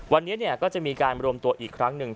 วันนี้ก็จะมีการรวมตัวอีกครั้งหนึ่ง